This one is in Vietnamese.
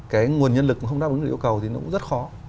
cái nguồn nhân lực không đáp ứng được yêu cầu thì nó cũng rất khó